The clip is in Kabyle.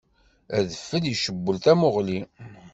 Adfel icewwel tamuɣli.